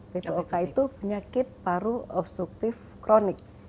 tpok itu penyakit paru obstruktif kronik